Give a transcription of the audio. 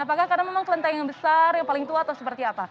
apakah karena memang kelenteng yang besar yang paling tua atau seperti apa